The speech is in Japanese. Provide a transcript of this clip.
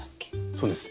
そうです。